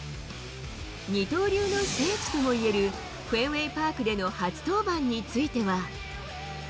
二刀流の聖地ともいえるフェンウェイパークでの初登板については。